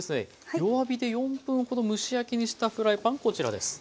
弱火で４分ほど蒸し焼きにしたフライパンこちらです。